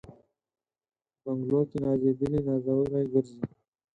په بنګلو کي نازېدلي نازولي ګرځي